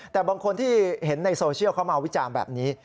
แต่บางคนที่เห็นในโซเชียลเข้ามาวิจารณ์แบบนี้